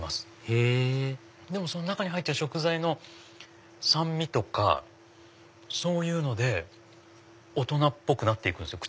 へぇでも中に入ってる食材の酸味とかそういうので大人っぽくなって行くんですよ